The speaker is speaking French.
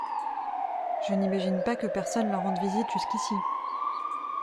Je n’imagine pas que personne leur rende visite jusqu’ici…